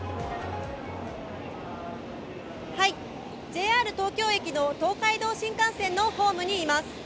はい、ＪＲ東京駅の東海道新幹線のホームにいます。